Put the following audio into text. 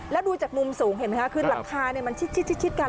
แล้วดูจากมุมสูงเห็นไหมคะคือหลังคามันชิดกัน